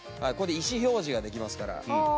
これで意思表示ができますから。